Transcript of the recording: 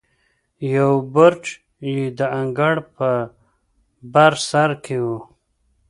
یو برج یې د انګړ په بر سر کې و.